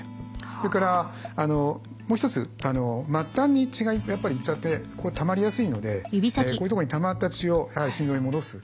それからもう一つ末端に血がやっぱり行っちゃってたまりやすいのでこういうとこにたまった血をやはり心臓に戻す。